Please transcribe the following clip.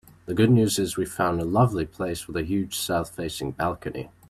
The good news is we found a lovely place with a huge south-facing balcony.